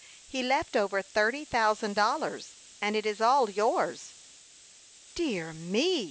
He left over thirty thousand dollars, and it is all yours." "Dear me!"